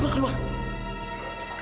sudara bangun robot g enthusiast